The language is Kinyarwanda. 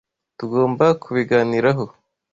Tugomba kubiganiraho.